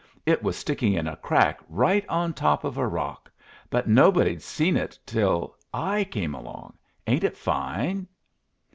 It was sticking in a crack right on top of a rock, but nobody'd seen it till I came along. Ain't it fine?"